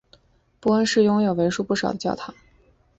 波恩市拥有为数不少的教堂。